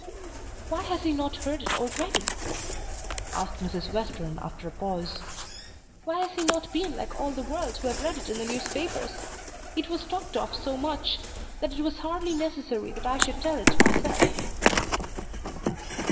"Why has he not heard it already?" asked Mrs. Western after a pause. "Why has he not been like all the world who have read it in the newspapers? It was talked of so much, that it was hardly necessary that I should tell it myself."